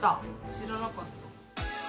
知らなかった。